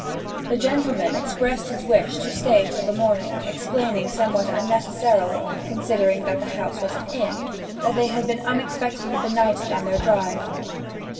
The gentleman expressed his wish to stay till the morning, explaining somewhat unnecessarily, considering that the house was an inn, that they had been unexpectedly benighted on their drive.